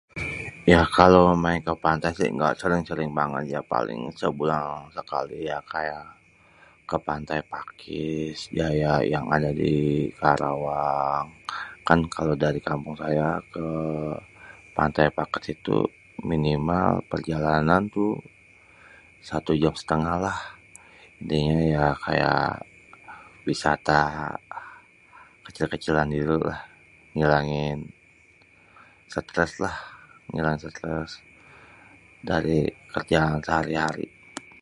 Ya kalau main ke pantai si engga sering-sering banget, ya paling sebulan sekali ya kaya ke Pantai Pakis Jaya yang ada di Karawang, kan kalau dari kampung saya ke Pantai Pakis itu minimal perjalanan tuh satu jam setengah lah. Nih ya, kaya wisata kecil-kecilan gitulah ngilangin stres lah dari kerjaan sehari-hari.